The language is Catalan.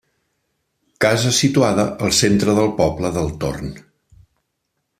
Casa situada al centre del poble del Torn.